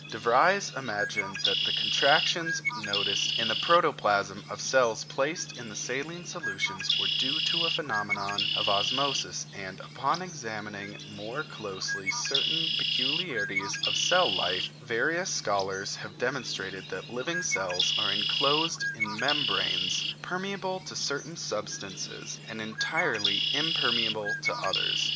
De Vries imagined that the contractions noticed in the protoplasm of cells placed in saline solutions were due to a phenomenon of osmosis, and, upon examining more closely certain peculiarities of cell life, various scholars have demonstrated that living cells are enclosed in membranes permeable to certain substances and entirely impermeable to others.